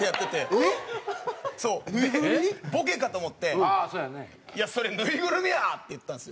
ボケかと思って「いやそれぬいぐるみや！」って言ったんですよ。